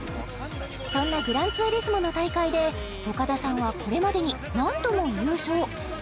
そんな「グランツーリスモ」の大会で岡田さんはこれまでに何度も優勝